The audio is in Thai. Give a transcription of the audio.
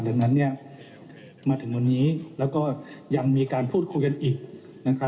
ดังนั้นมาถึงวันนี้แล้วก็ยังมีการพูดคุยกันอีก